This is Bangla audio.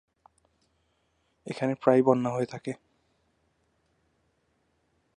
এখানে প্রায়ই বন্যা হয়ে থাকে।